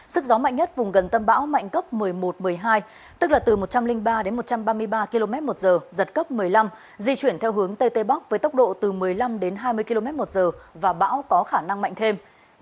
sức gió mạnh nhất vùng gần tâm bão mạnh cấp một mươi một một mươi hai tức là từ một trăm linh ba đến một trăm ba mươi ba km một giờ giật cấp một mươi năm di chuyển theo hướng tây tây bắc với tốc độ từ một mươi năm đến hai mươi km một giờ và bão có khả năng mạnh thêm